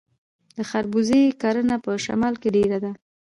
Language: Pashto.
د خربوزې کرنه په شمال کې ډیره ده.